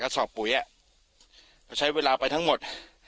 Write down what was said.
สอบปุ๋ยเราใช้เวลาไปทั้งหมด